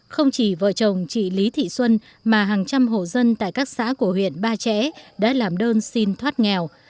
không chỉ vợ chồng chị lý thị xuân mà hàng trăm hộ dân tại các xã của huyện ba trẻ đã làm đơn xin thoát nghèo